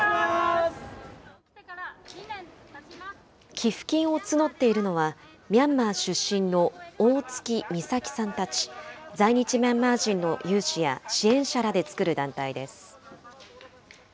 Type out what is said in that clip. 寄付金を募っているのは、ミャンマー出身の大槻美咲さんたち、在日ミャンマー人の有志や支援者らで作る団体です。